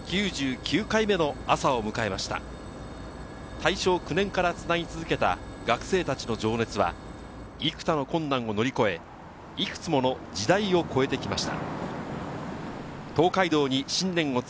大正９年からつなぎ続けた学生たちの情熱は幾多の困難を乗り越え、いくつもの時代を超えてきました。